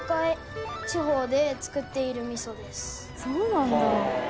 そうなんだ！